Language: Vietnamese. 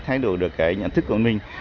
thay đổi được cái nhận thức của mình